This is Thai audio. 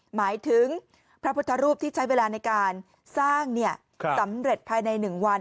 หมายถึงพระพุทธรูปที่ใช้เวลาในการสร้างสำเร็จภายใน๑วัน